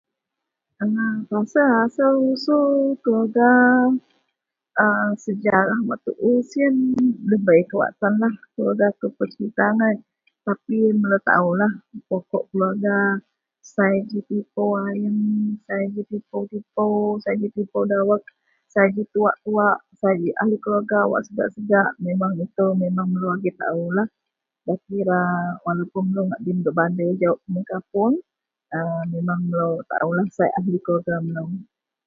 Asal usul keluwarga a sejarah tuu siyen debei kawak tan lah keluwarga kou peserita angai tapi yen melou taao lah pokok keluwarga. Sai ji tipou ayeng, sai ji tipou - tipou, sai ji tipou dawek, sai ji tuwak - tuwak, sai ji ahli keluwarga a segak - segak. Memang melou agei taao lah nda kira walaupuun melou ngak diyem gak bander jawuk kuman kapuong. A memang melou taao lah sai ji keluwarga melou.